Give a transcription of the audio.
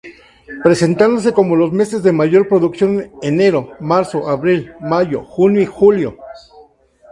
Presentándose como los meses de mayor producción enero, marzo, abril, mayo, junio y julio.